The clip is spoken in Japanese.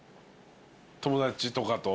友達とかと？